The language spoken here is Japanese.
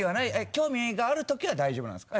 興味があるときは大丈夫なんですか？